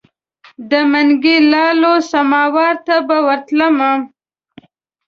د منګي لالو سماوار ته به ورتللم.